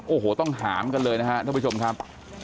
โอ้โหต้องหามกันเลยนะครับท่านผู้ชมครับ